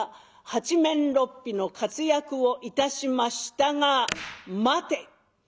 八面六臂の活躍をいたしましたが「待て。